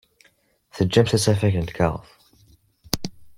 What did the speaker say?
Tgamt-d asafag n lkaɣeḍ.